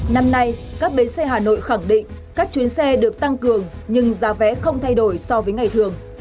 năm nay các bến xe hà nội khẳng định các chuyến xe được tăng cường nhưng giá vé không thay đổi so với ngày thường